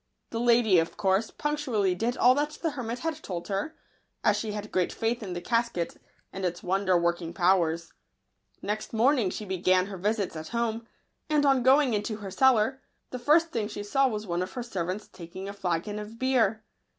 The lady, of course, punctually did all that the hermit had told her, as she had great faith in the casket and its wonder working powers. Next morning she began her visits at home; and on going into her cellar, the first thing she saw was one of her servants taking a flagon of beer.